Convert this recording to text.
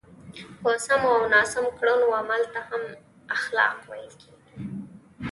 په سمو او ناسم کړنو عمل ته هم اخلاق ویل کېږي.